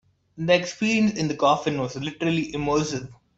The experience in the coffin was literally immersive.